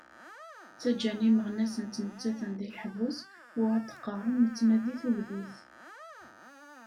Ttaǧǧan imeɣnasen ttmettaten deg leḥbus, u ad d-qqaren nettnadi tugdut!